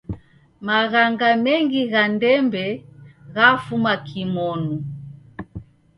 Maghanga mengi gha ndembe ghafuma kimonu.